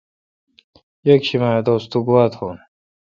یکشم اے° دوس تو گوا تھون۔